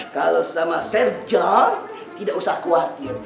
kalau sama chef john tidak usah khawatir